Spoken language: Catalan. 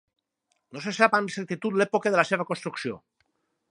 No se sap amb exactitud l'època de la seva construcció.